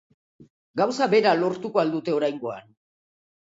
Gauza bera lortuko al dute oraingoan?